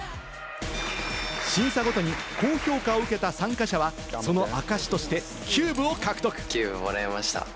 審査ごとに高評価を受けた参加者は、その証しとしてキューブを獲得。